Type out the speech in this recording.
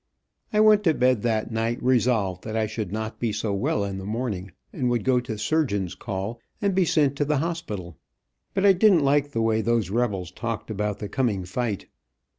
I went to bed that night resolved that I should not be so well in the morning, and would go to surgeon's call, and be sent to the hospital. But I didn't like the way those rebels talked about the coming fight.